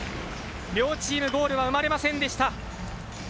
両チーム、ゴールは生まれませんでした。